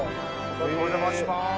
お邪魔します。